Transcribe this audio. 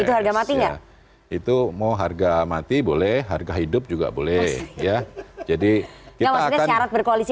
itu harga mati itu mau harga mati boleh harga hidup juga boleh ya jadi kita akan berkoalisi